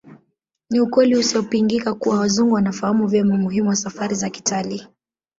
Ni ukweli usiopingika kuwa Wazungu wanafahamu vyema umuhimu wa safari za kitalii